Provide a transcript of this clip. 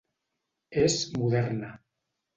És moderna.